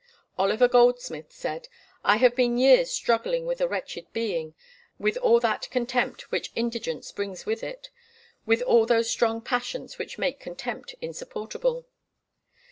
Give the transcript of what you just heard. Oliver Goldsmith said: "I have been years struggling with a wretched being, with all that contempt which indigence brings with it, with all those strong passions which make contempt insupportable."